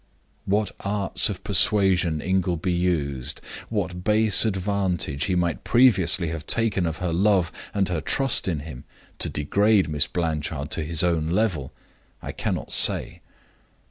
What arts of persuasion Ingleby used what base advantage he might previously have taken of her love and her trust in him to degrade Miss Blanchard to his own level I cannot say.